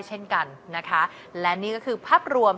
เช่นกันนะคะและนี่ก็คือภาพรวม